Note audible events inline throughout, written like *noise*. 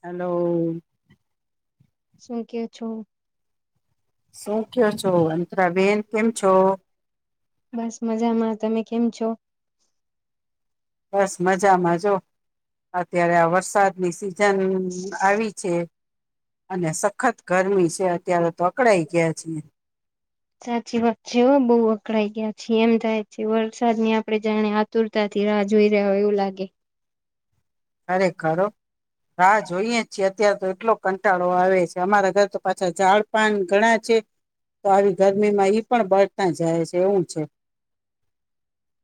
Hello શું કયો છો શું કયો છો અંતરાબેન કેમ છો? બસ મજામાં તમે કેમ છો? બસ મજામાં જો. અત્યારે આ વરસાદની સિઝન આવી છે. અને સખત ગરમી છે અત્યારે તો અકડાઈ ગયા છે. સાચી વાત છેઓ બહુ અકળાઈ ગયા છે એમ થાય છે વરસાદ ની આપડે જાણે આતુરતાથી રાહ જોઈ રહ્યા હોય એવું લાગે. ખરેખર હો રાહ જોઈએ છીએ ત્યાં તો એટલો કંટાળો આવે છે અમારા ઘર તો પાછા ઝાડપાન ઘણા છે. તો આવી ગરમી માં ઈ પણ બળતા જાય છે એવું છે.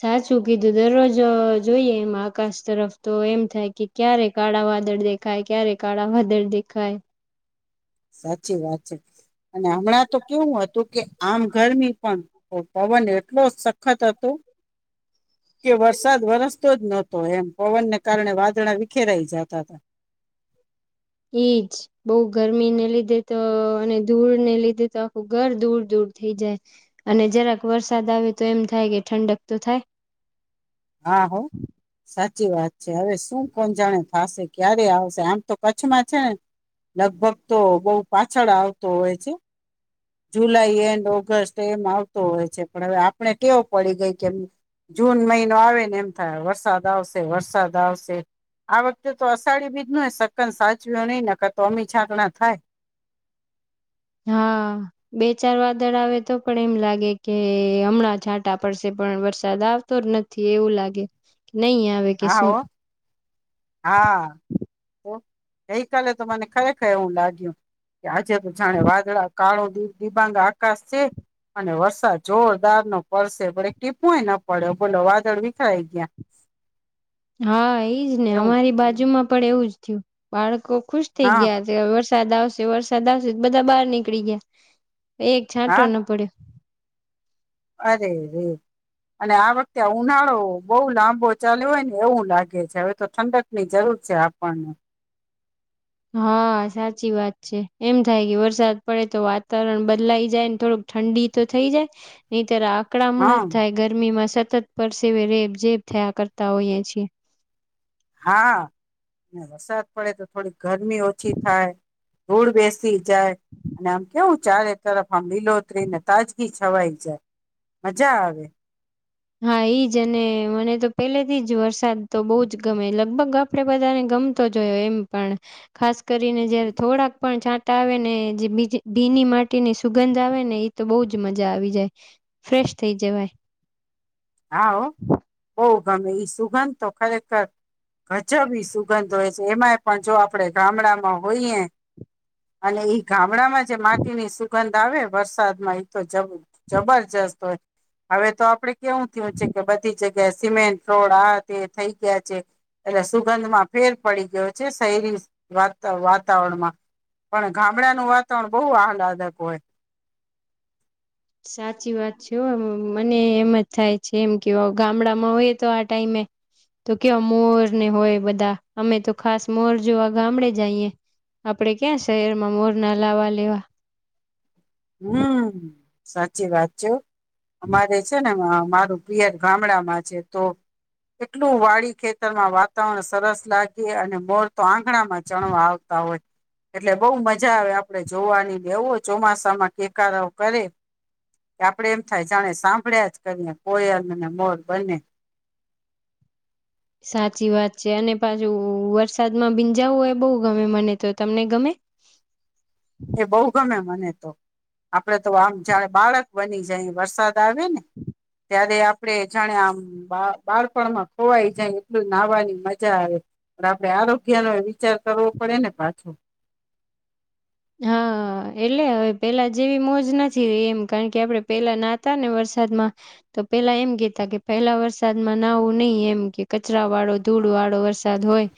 સાચું કીધું દરરોજ જોઈએ એમ આકાશ તરફ તો એમ થાય કે ક્યારે કાળા વાદળ દેખાય ક્યારે કાળા વાદળ દેખાય! સાચી વાત છે અને હમણાં તો કેવું હતું કે આમ ગરમી પણ તો પવન એટલો સખત હતો કે વરસાદ વરસ તો જ નહોતો એમ પવનને કારણે વાદળ વિખેરાઈ જાતા તા. એઇ જ. બઉ ગરમીને લીધે તો અને ધૂળ ને લીધે તો આખું ઘર ધૂળ ધૂળ થઈ જાય. અને જરાક વરસાદ આવે તો એમ થાય કે ઠંડક તો થાય. હા હો. સાચી વાત છે. હવે શું કોણ જાણે થાશે, ક્યારે આવશે આમ તો કચ્છમાં છેને. લગભગ તો બઉ પાછળ આવતો હોય છે. જુલાઈ એન્ડ ઓગસ્ટ એમ આવતો હોય છે, પણ હવે આપણે ટેવ પડી ગઈ કેમ. જૂન મહિનો આવે ને એમ થાય વરસાદ આવશે વરસાદ આવશે. આ વખતે તો અષાઢી બીજ નોય સક્કન સાચવ્યોં નહી નકર તો અમી છાંટણા થાય. હા. બે ચાર વાદળ આવે તો પણ એમ લાગે કે હમણાં છાંટા પડશે પણ વરસાદ આવ તો નથી એવું લાગે કે નઈ આવે કે હા શું? હો હા તો ગઈ કાલે તો મને ખરે ખર એવું લાગ્યું કે આજે તો જાણે વાદળા કાળો દી દિબાંગ આકાશ છે. અને વરસાદ જોરદાર નો પડશે પણ એક ટીપોય ન પડયો બોલો વાદળ વિખરાઈ ગયા. હા ઈજ ને એવું અમારી બાજુમાં પણ એવું જ થયું. બાળકો ખુશ થઈ હા ગયા. વરસાદ આવશે, વરસાદ આવશે બધા બાર નીકળી ગયા. એક છાંટો હા ન પડ્યો. અરે રે. અને આ વખતે ઉનાળો બહુ લાંબો ચાલીયો હોય ને એવું લાગે છે. હવે તો ઠંડક ની જરૂર છે આપણને. હા સાચી વાત છે. એમ થાય કે વરસાદ પડે તો વાતાવરણ બદલાઈ જાયને થોડુંક ઠંડી તો થઈ જાય નહીતર આ અકડામણ જ હમ થાય. ગરમીમાં સતત પરસેવે રેબ જેેબ થયા કરતા હોઈએ છીએ. હા વરસાદ પડે તો થોડી ગરમી ઓછી થાય. ધૂળ બેસ સી ચાય અને આમ કેવું ચારે તરફ આમ લીલોઉતરીને તાજગી છવાઈ જાય. મજા આવે હા ઈજ અને મને તો પેલેથી જ વરસાદ તો બહુ જ ગમે લગભગ આપ આપડે બધાને ગમતો જ હોય એમ પણ ખાસ કરીને જયારે થોડાક પણ છાંટા ટા આવે ને જે બીજી ભીની માટી ની સુગંધ આવે ને એ તો બહુ જ મજા આવી જાય ફ્રેશ થઇ જવાય. હા હો બઉ ગમે ઈ સુગંધ તો ખરેખર. ગજબી સુગંધ હોય છે. એમાંય પણ જો આપણે ગામડામાં હોઈએ અને ઈ ગામડામાં જે માટી ની સુગંધ આવે વરસાદમાં એતો જ જબરજસ્ત હોય. હવે તો આપડે કેવું થીયું છે કે બધી જગ્યાએ સિમેન્ટ રોડ આ તે થઇ ગયા છે. એટલે સુગંધ માં ફેર પડી ગયો છે. શહેરી વાત વાતાવરણમાં પણ ગામડાનું વાતાવરણ બહું આહલાદક હોય. સાચી વાત છે હો મને એમ જ થાય છે એમ કેવો ગામડામાં હોય તો આ ટાઈમે તો કેવા મોર ને હોય બધા અમે તો ખાસ મોર જોવા ગામડે જાઈએ. આપડે ક્યાં શહેરમાં મોર ના લાવા લેવા. હમ્મ, સાચી વાત છું. અમારે છે ને અમારું પિયર ગામડામાં છે તો એટલું વાડી ખેતરમાં વાતાવરણ સરસ લાગે અને મોર તો આંગણામાં ચણવા આવ આવતા હોય એટલે બઉ મજા આવે આપડે જોવાની એવું હોય ચોમાસું માં કેકારાવ કરે કે આપડે એમ થાય જાણે સાંભળ્યા જ કરીએ કોયલ ને મોર બને સાચી વાત છે અને પાછુ વરસાદમાં બીંજાવું એય બઉ ગમે મને તો તમને ગમે? એ બઉ ગમે મને તો. આપડે તો આમ જયારે બાળક બની જાયે વરસાદ આવે ને ત્યારે આપ ડે જાણે આમ બા બાળપણમાં ખોવાઈ જાય એટલું નાહવાની મજા આવે. પણ આપડે આરોગ્યનોય વિચાર કરવો પડે ને પાછું. હા. એટલે હવે પેલા જેવી મોજ નથી રહી એમ કારણ કે આપડે પેલા ન્હાતા ને વરસાદમાં તો પેલા એમ કેતા કે પેલા વરસાદમાં નાવું નહીં એમ કે કચરાવાળો, ધૂડવાળો વરસાદ હોય.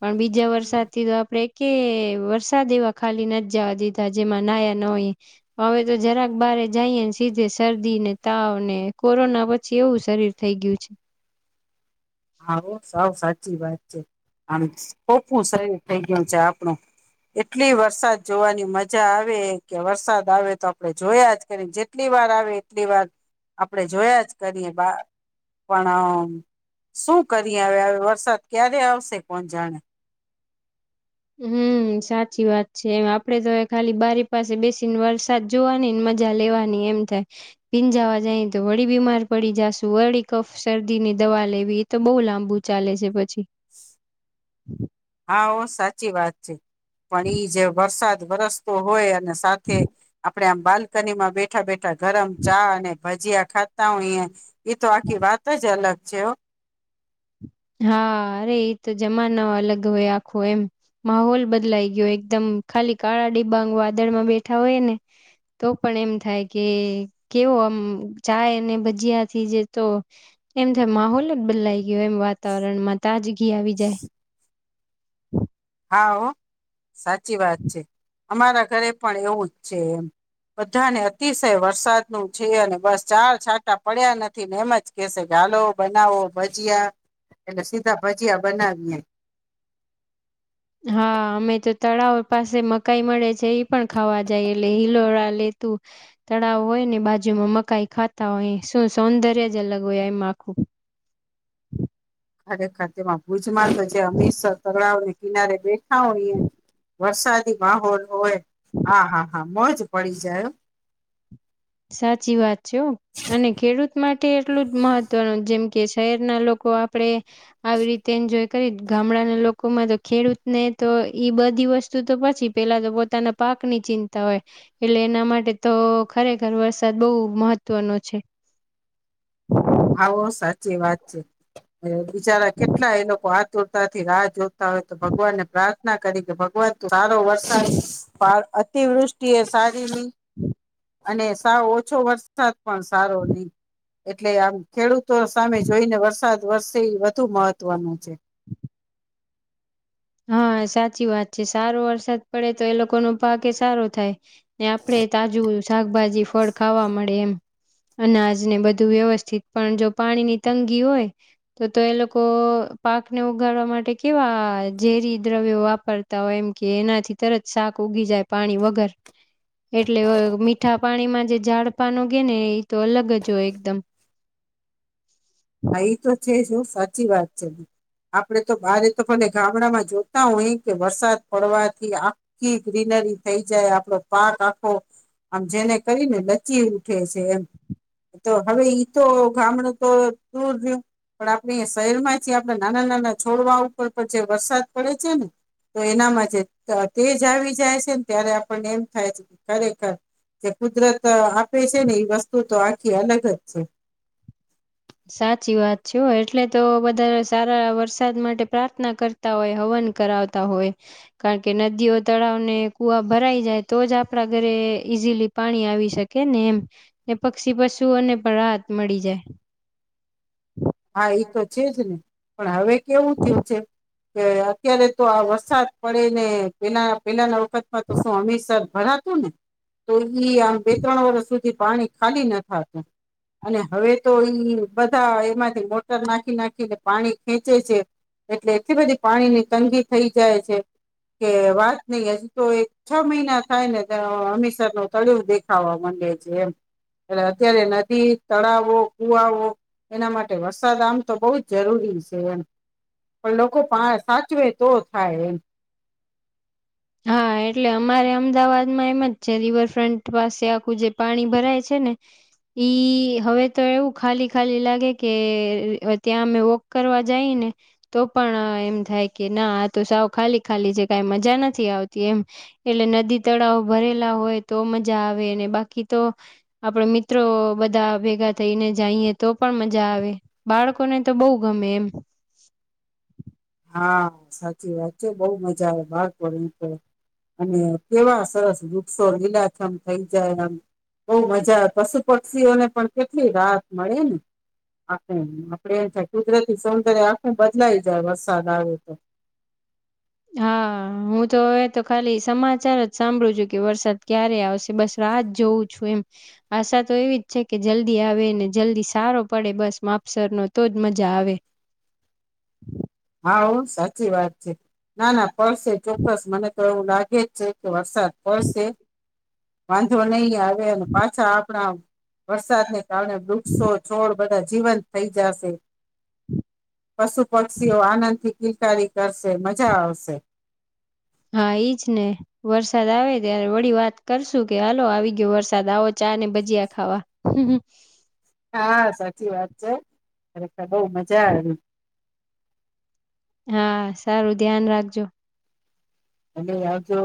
પણ બીજા વરસાદથી તો આપડે એકેય વરસાદ એવા ખાલી નથ જવા દીધા જેમાં નાયા ન હોઈએ. હવે જો જરાક બારે જઈએ ને સીધે શરદીને, તાવને કોરોના પછી એવું શરીર થઈ ગયું છે. હા, હો સાવ સાચી વાત છે. આમ *unintelligible* શરીર થઈ ગયું છે આપણું એટલી વરસાદ જોવાની મજા આવે કે વરસાદ આવે તો આપડે જોયા જ કરીએ જે ટલી વાર આવે એટલી વાર આપડે જોયા જ કરીએ બાર પણ શું કરીએ હવે આવે વરસાદ ક્યારે આવશે, કોણ જાણે? હમ્મ, સાચી વાત છે એમ આપડે તો ખાલી બારી પાસે બેસીને વરસાદ જોવાની ને મજા લેવાની એમ થાય. પીંજાવા જાય તો વળી બીમાર પડી જાશું વળી કફ શરદી ની દવા લેવી તો બઉુ લાંબુ ચાલે છે પછી. હા ઓ સાચી વાત છે. પણ ઈ જે વરસાદ વરસતો હોય અને સાથે આ પણેે આમ બાલ્કનીમાં બેઠા બેઠા ગરમ ચા અને ભજીયા ખાતા હોઈએ ઈ તો આખી વાત જ અલગ છે હો. હા અરે એ તો જમાનો અલગ હોય આખો એમ. માહોલ બદલાઈ ગયો એકદમ ખાલી કાળા ડિબાંગ વાદળમાં બેઠા હોઈએ ને તો પણ એમ થાય કે એ કેવો આમ ચાય અને ભજીયાથી જે તો એમ થાય માહોલ જ બદલાઈ ગયો એમ વાતાવરણમાં તાજગી આવી જાય. હા હો સાચી વાત છે. અમારા ઘરે પણ એવું જ છે એમ. બધાને અતિશય વરસાદનું છે અને બસ ચાર છાટા પડ્યા નથી ને એમજ કહશે કે હાલો બનાવો ભજીયા એટલે સીધા ભજીયા બનાવીએ. હા આ અમેતો તળાવ પાસે મકાઈ મળે છે એ પણ ખાવા જઈએ એટલે હિલોળા લેતું તળાવ હોયને બાજુમાં મકાઈ ખાતા હોઈએ શું સૌંદર્ય જ અલગ હોય એમ આખું. ખરેખર તેમાં ભુજમાં તો જે હમીસર તળાવને કિનારે બેઠા હોઈએ વરસાદી માહોલ હોય. આ હા હા મોજ પડી જાય હો. સાચી વાત છે અને ખેડૂત માટ એટલું જ મહત્વનું જેમ કે શહેરના લોકો આપડે, આવી રીતે એન્જોય કરીન ગામડાના લોકોમાં તો ખેડૂતને તો ઈ બધી વસ્તુ તો પછી, પેલા તો પોતાના પાક ની ચિંતા હોય એટલે એના માટે તો ખરેખર, ખર વરસાદ બહુ મહત્વનો છે. આવો સાચી વાત છે બિચારા કેટલા એ લોકો આતુરતા થી રાહ જો હવે તો ભગવાનને પ્રાર્થના કરી કે ભગવાન તું સારો વરસાદ અતિવૃષ્ટ ઈ યે સારી નહીં. અને સાવ ઓછો વરસાદ પણ સારો નહી એટલે આમ ખેડૂત તો સામે જોઈને વરસાદ વરસે ઈ વધુ મહત્વનું છે. *inaudible* હા સાચી વાત છે સારો વરસાદ પડે તો એ લોકો નો પાક ય સારો થાય. ને આપડે ય તાજું શાકભાજી ફળ ખાવા મળે એમ, અનાજને બધું વ્યવસ્થિત પણ જો પાણીની તંગી હોય. તો તો એ અ લોકો પાકને ઉગાડવા માટે કેવા અ ઝેરી દ્રવ્યો વાપરતા હોય એમ કે એનાથી તરત શાક ઉગી જાય પાણી વગર, એટલે અ મીઠા પાણીમાં જે ઝાડ પાન ઉગે ને એ તો અલગ જ હોય એકદમ, હા ઈ તો છે જ હોં સાચી વાત છે. આપડે તો ભારે તો ભલે ગામડામાં જોતા હોય કે વરસાદ પડવાથી આ થી ગ્રીનરી થઈ જાય આપડો પાક આખો આમ જેને કરીને લચ્છી ઉઠે છે એમ, હવે ઇ તો ગામડું તો દૂર રહ્યું, પણ આપણી શહેર માંથી આપડા નાના નાના છોડવા ઉપર પણ જે વરસાદ પડે છે ને, તો એનામાં જે તેજ આવી જાય છે ને ત્યારે આપણને એમ થાય છે કે ખરેખર, કે કુદરત આપે છે ને એ વસ્તુ તો આખી અલગ જ છે. સાચી વાત છે સો એટલે તો બધા સારા વરસાદ માટે પ્રાર્થના કર તા હોય હવન કરાવતા હોય, કારણ કે નદીઓ, તળાવને, કુઆ ભરાઈ જાય તો જ આપણા ઘરે ઈઝીલી, પાણી આવી શકે ને એમ, ને પક્ષી પશુઓને પણ રાહત મળી જાય. હા એ તો છે જ ને પણ હવે કેવું થયું છે. અત્યારે તો આ વરસાદ પડે ને પેલા પેલાના, સોમેશ્વર ભરાતું ને તો ઈ આમ બે ત્રણ વર્ષ સુધી, પાણી ખાલી ના થાતું અને હવે તો ઈ બધા એમાં, મોટર નાખી નાખીને પાણી ખેંચે છે. એટલે એટલી બધી પાણી ની તંગી થઈ જાય છે. કે વાત નહિ હજી તો એક છ મહિના થાય ને અમીસર નું તળિયું દેખ દેખાવા માંડે છે એમ એટલે અત્યારે નદી તળાવો કુવાઓ એના માટે વરસાદ આમ તો બહુ જ જરૂરી છે એમ, પણ લોકો પા સાચવે તો થાય એમ, હા એટલે અમારે અમદાવાદમાં એમ જ છે રિવરફ્રન્ટ પાસે આખું જે પાણી ભરાય છે ને, ઈ હવે તો એવું ખાલી ખાલી લાગે કે ત્યાં અમે વોક કરવા જાય ને, તો પણ એમ થાય કે ના આ તો સાવ ખાલી ખાલી છે કઈ મજા નથ નથી આવતી એમ, એટલે નદી તળાવ ભરેલા હોય તો મજા આવે ને બાકી તો, આપણે મિત્રો બધા ભેગા થઈને જાઈએ તો પણ મજા આવે. બાળકોને તો બહુ ગમે એમ. હા સાચી વાત બહુ મજા આવે. *unintelligible* અને કેવા સરસ વૃક્ષો લીલાછમ થઈ જાય આમ. બહુ મજા આવે. પશુ, પક્ષીઓને પણ કેટલી રાહત મળે ને. *inaudible* કુદરતી સૌંદર્ય બદલાઈ જાય વરસાદ આવે તો. હા હું તો હવે તો ખાલી સમાચાર જ સાંભળું છું કે વરસાદ ક્યારે આવશે બસ રાહ જોઉ છું એમ. આશા તો એવી જ છે કે જલ્દી આવે ને જલ્દી સારો પડે બસ માપસર નો તો જ મજા આવે. હા ઓ સાચી વાત છે ના, ના પડશે ચોક્કસ મને તો એવું લાગે જ છે કે. વરસાદ પડશે વાંધો નહીં આવે અને પાછા આપણા વરસાદને. *unintelligible* વૃક્ષો છોડ બધા જીવંત થઈ જશે *inaudible* આનંદ થી કિલકારી કરશે મજા આવશે. હા ઈજ ને. વરસાદ આવે ત્યારે વળી, વાત કરશું કે હાલો આવી ગયો વરસાદ આવો ચા ને ભજીયા ખાવા. *inaudible* હા સાચી વાત છે ખરેખર બહુ મજા આવે. હા સારું ધ્યાન રાખજો. તમે આવજો.